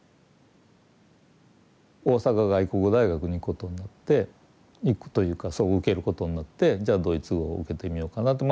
大阪外国語大学に行くことになって行くというかそこを受けることになってじゃあドイツ語を受けてみようかなと。